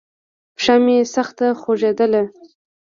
پښه مې سخته خوږېدله.